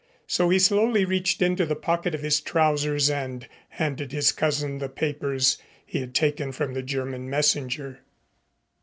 So he slowly reached into the pocket of his trousers and handed his cousin the papers he had taken from the German messenger.